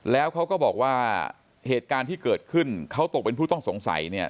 แล้วเขาก็บอกว่าเหตุการณ์ที่เกิดขึ้นเขาตกเป็นผู้ต้องสงสัยเนี่ย